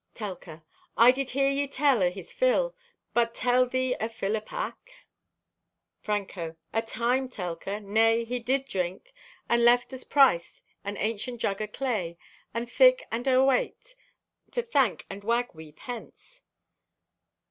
(Telka) "I did hear thee tell o' his fill, but tell thee o' fill o' pack." (Franco) "A time, Telka. Nay, he did drink and left as price an ancient jug o' clay, and thick and o' a weight, to thank and wag weave hence."